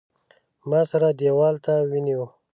ما سره دېوال ته ونیو.